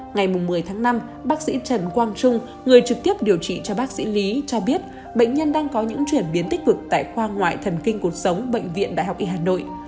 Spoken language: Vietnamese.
ngày một mươi tháng năm bác sĩ trần quang trung người trực tiếp điều trị cho bác sĩ lý cho biết bệnh nhân đang có những chuyển biến tích cực tại khoa ngoại thần kinh cuộc sống bệnh viện đại học y hà nội